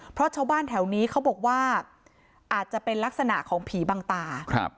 เพราะชาวบ้านแถวนี้เขาบอกว่าอาจจะเป็นลักษณะของผีบังตา